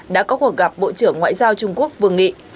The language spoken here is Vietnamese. đã có cuộc gặp bộ trưởng ngoại giao trung quốc vương nghị